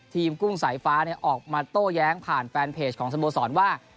กุ้งสายฟ้าออกมาโต้แย้งผ่านแฟนเพจของสโมสรว่า